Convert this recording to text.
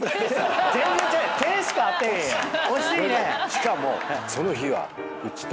しかもその日は。